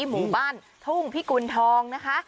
หมู่บ้านทุ่งพิกุณฑองนะคะ